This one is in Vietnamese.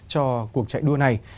cho cuộc chạy đua này